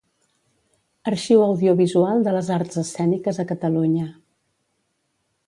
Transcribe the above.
Arxiu Audiovisual de les Arts Escèniques a Catalunya.